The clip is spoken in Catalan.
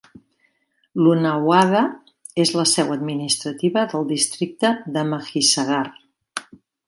Lunawada és la seu administrativa del districte de Mahisagar.